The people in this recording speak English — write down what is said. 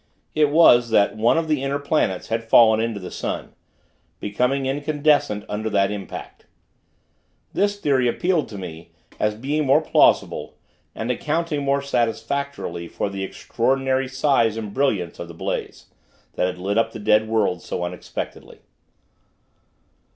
It was, that one of the inner planets had fallen into the sun becoming incandescent, under that impact. This theory appealed to me, as being more plausible, and accounting more satisfactorily for the extraordinary size and brilliance of the blaze, that had lit up the dead world, so unexpectedly.